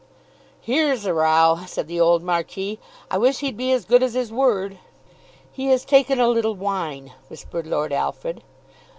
"Here's a row," said the old Marquis. "I wish he'd be as good as his word." "He has taken a little wine," whispered Lord Alfred.